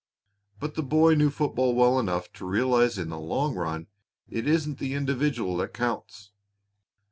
But the boy knew football well enough to realize that in the long run it isn't the individual that counts.